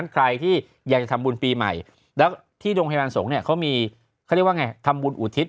ใครที่อยากจะทำบุญปีใหม่แล้วที่โรงพยาบาลสงฆ์เนี่ยเขามีเขาเรียกว่าไงทำบุญอุทิศ